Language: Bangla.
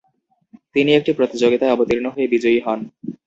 তিনি একটি প্রতিযোগিতায় অবতীর্ণ হয়ে বিজয়ী হন।